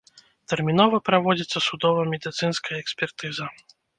Тэрмінова праводзіцца судова-медыцынская экспертыза.